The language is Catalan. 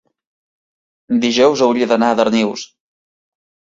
dijous hauria d'anar a Darnius.